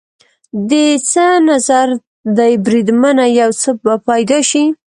دې څه نظر دی بریدمنه؟ یو څه به پیدا شي.